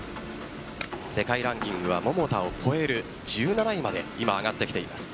世界ランキングは桃田を超える１７位まで今上がってきています。